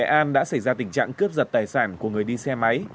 nghệ an đã xảy ra tình trạng cướp giật tài sản của người đi xe máy